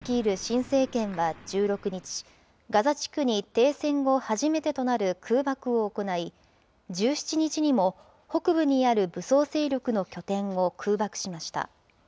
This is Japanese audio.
これに対し、ベネット首相が率いる新政権は１６日、ガザ地区に停戦後初めてとなる空爆を行い、１７日にも、北部にある武装勢力の拠点を空爆しました。